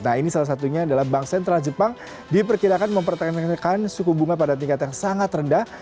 nah ini salah satunya adalah bank sentral jepang diperkirakan mempertahankan suku bunga pada tingkat yang sangat rendah